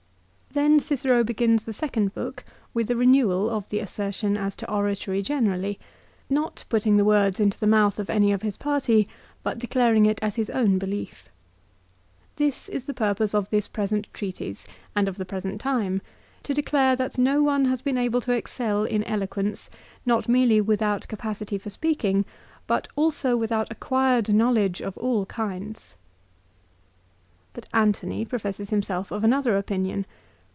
4 Then Cicero begins the second book with a renewal of the assertion as to oratory generally, not putting the words into 1 De Oratore, ca. xxv. 2 Ibid, ca. xliv. 3 Ibid. ca. lii. 4 Ibid. lib. i. ca, lx. 316 LIFE OF CICERO. the mouth of any of his party, but declaring it as his owii belief. "This is the purpose of this present treatise, and of the present time, to declare that no one has been able to excel in eloquence, not merely without capacity for speak ing, but also without acquired knowledge of all kinds." 1 But Antony professes himself of another opinion.